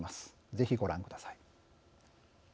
ぜひご覧ください。